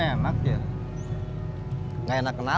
tidak ada yang bisa dibawa ke sana